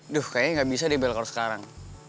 duh kayaknya gak bisa deh bella kalau sekarang